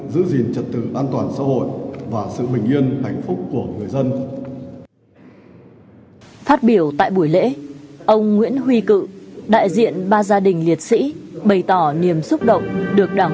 giữ gìn trật tự an toàn giữ gìn trật tự an toàn giữ gìn trật tự an toàn